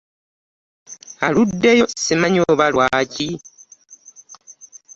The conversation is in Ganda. Aluddeyo simanyi oba lwaki?